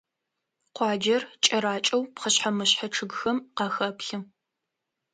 Къуаджэр кӀэракӀэу пхъэшъхьэ-мышъхьэ чъыгхэм къахэплъы.